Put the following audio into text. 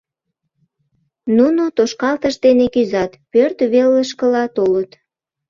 Нуно тошкалтыш дене кӱзат, пӧрт велышкыла толыт.